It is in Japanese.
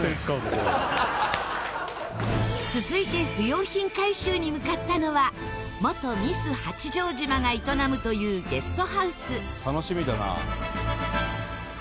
続いて不要品回収に向かったのは元ミス八丈島が営むというゲストハウス。